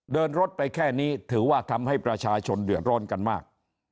เดินรถไปแค่นี้ถือว่าทำให้ประชาชนเดือดร้อนกันมาก